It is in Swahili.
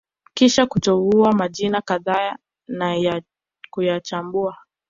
kisha kuteua majina kadhaa na kuyachambua